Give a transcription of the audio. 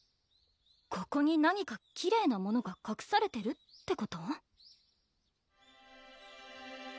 ここに何かきれいなものがかくされてるってこと？